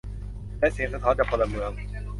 และเสียงสะท้อนจากพลเมือง